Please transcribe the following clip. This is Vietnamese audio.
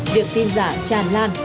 việc tin giả tràn lan